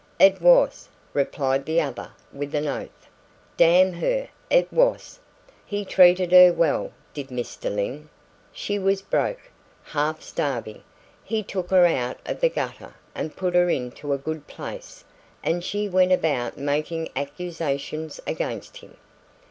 "It was," replied the other with an oath. "Damn her, it was! He treated her well, did Mr. Lyne. She was broke, half starving; he took her out of the gutter and put her into a good place, and she went about making accusations against him!"